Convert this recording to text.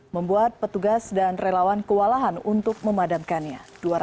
membuat petugas dan relawan kewalahan untuk memadamkannya